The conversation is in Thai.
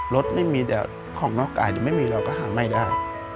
รถไม่มีแต่ของนอกกายหรือไม่มีเราก็หาไม่ได้